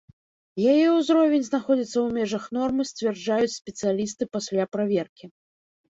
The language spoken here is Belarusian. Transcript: Яе ўзровень знаходзіцца ў межах нормы, сцвярджаюць спецыялісты пасля праверкі.